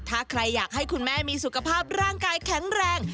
ถ้าใครอยากให้คุณแม่มีสุขภาพร่างกายแข็งแรง